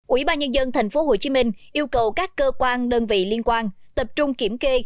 ủy ban nhân dân tp hcm yêu cầu các cơ quan đơn vị liên quan tập trung kiểm kê